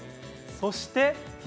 そして。